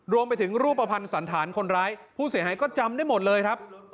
รวมไปถึงรูปภัณฑ์สันธารคนร้ายผู้เสียหายก็จำได้หมดเลยครับ